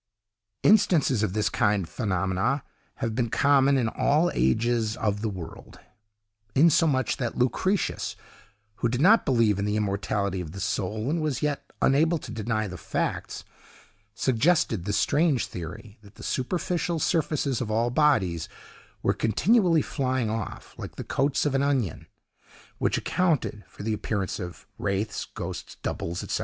Instances of this kind of phenomenon have been common in all ages of the world, insomuch that Lucretius, who did not believe in the immortality of the soul, and was yet unable to deny the facts, suggested the strange theory that the superficial surfaces of all bodies were continually flying off, like the coats of an onion, which accounted for the appearance of wraiths, ghosts, doubles, &c.